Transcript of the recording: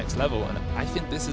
aku pikir ini adalah lelaki